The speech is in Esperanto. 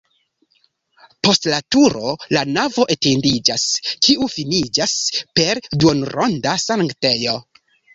Post la turo la navo etendiĝas, kiu finiĝas per duonronda sanktejo.